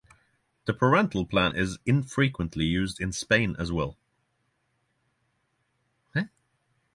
The parental plan is infrequently used in Spain as well.